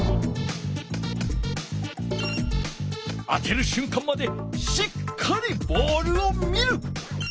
当てる瞬間までしっかりボールを見る！